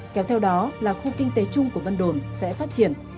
kéo theo đó là khu kinh tế chung của vân đồn sẽ phát triển